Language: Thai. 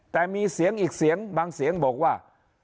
แต่มีเสียงอีกเสียงบางเสียงบอกว่า